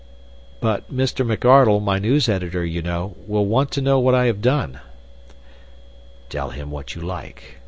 "But Mr. McArdle my news editor, you know will want to know what I have done." "Tell him what you like.